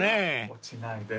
落ちないで。